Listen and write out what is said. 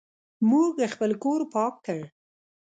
موږ خپل کور پاک کړ.